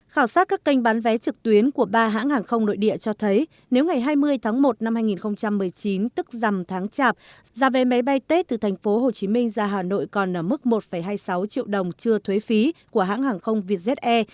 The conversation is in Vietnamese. khảo sát các kênh bán vé trực tuyến của ba hãng hàng không nội địa cho thấy nếu ngày hai mươi tháng một năm hai nghìn một mươi chín tức dầm tháng chạp giá vé máy bay tết từ tp hcm ra hà nội còn ở mức một hai mươi sáu triệu đồng chưa thuế phí của hãng hàng không vietjet air